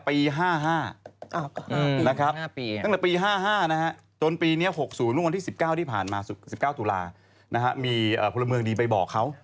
ปี๕๕ตั้งแต่ปี๕๕จนปีนี้๖๐เมื่อวันที่๑๙ที่ผ่านมา๑๙ตุลามีพลเมืองดีไปบอกเขา